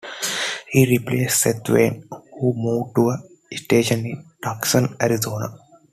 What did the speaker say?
He replaced Seth Wayne, who moved to a station in Tucson, Arizona.